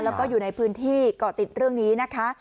แล้วก็อยู่ในพื้นที่เกาะติดเรื่องนี้นะคะ